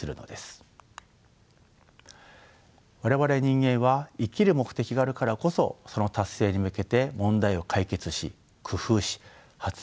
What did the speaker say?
我々人間は生きる目的があるからこそその達成に向けて問題を解決し工夫し発明し前進してきました。